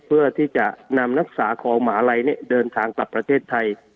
เพื่อที่จะนำนักศึกษาของหมาลัยเดินทางกลับประเทศไทย